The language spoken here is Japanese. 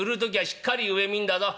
しっかり上見んだぞ。